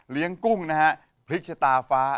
เลี้ยงกุ้งพริกชะตาฟ้า